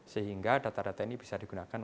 sehingga data data ini bisa digunakan